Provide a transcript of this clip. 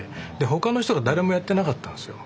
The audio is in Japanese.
他の人が誰もやってなかったんですよ。